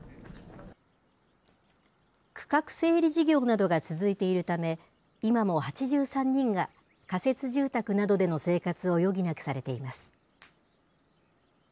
区画整理事業などが続いているため、今も８３人が仮設住宅などでの生活を余儀なくされています。